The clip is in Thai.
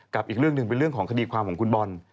อีกเรื่องหนึ่งเป็นเรื่องของคดีความของคุณบอล